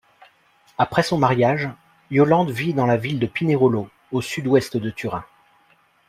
Après son mariage, Yolande vit dans la ville de Pinerolo, au sud-ouest de Turin.